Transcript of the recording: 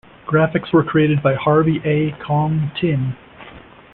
Graphics were created by Harvey A. Kong Tin.